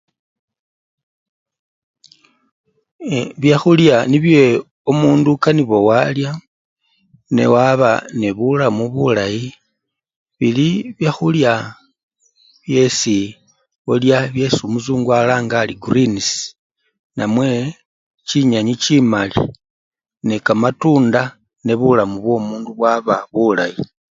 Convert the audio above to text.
"E! byakhulya nibye omundu okanibwa walya newaba nebulamu bulayi bili byakhulya byesi ulya byesi omusungu alanga arii ""greens"" namwe chinyenyi chimali nekamatunda nebulamu bwo mundu bwaba bulayi."